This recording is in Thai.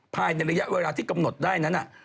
ภายในระยะเวลาที่กำหนดได้นั้น